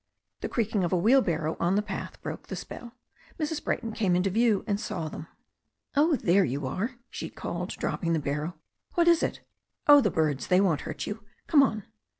The creaking of a wheelbarrow on the path broke the spell. Mrs. Brayton came into view and saw them. "Oh, there you are," she called, dropping the barrow. "What is it? Oh, the birds. They won't hurt you. Come on.